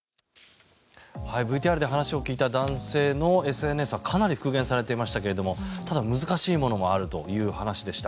ＶＴＲで話を聞いた男性のＳＮＳはかなり復元されていましたけどただ、難しいものもあるという話でした。